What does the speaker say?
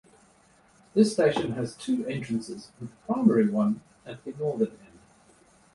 This station has two entrances with the primary one at the northern end.